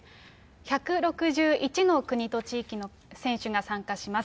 １６１の国と地域の選手が参加します。